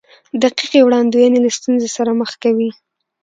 دقیقې وړاندوینې له ستونزو سره مخ کوي.